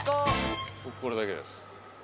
僕これだけです。